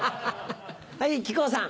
はい木久扇さん。